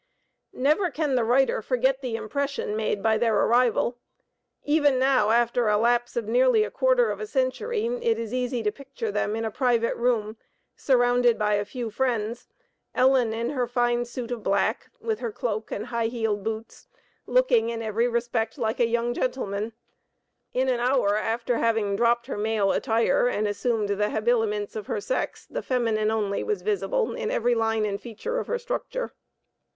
Never can the writer forget the impression made by their arrival. Even now, after a lapse of nearly a quarter of a century, it is easy to picture them in a private room, surrounded by a few friends Ellen in her fine suit of black, with her cloak and high heeled boots, looking, in every respect, like a young gentleman; in an hour after having dropped her male attire, and assumed the habiliments of her sex the feminine only was visible in every line and feature of her structure.